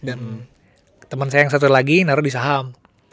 dan temen saya yang satu lagi naro di saham